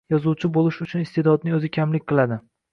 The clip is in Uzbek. Yozuvchi bo’lish uchun iste’dodning o’zi kamlik qiladi.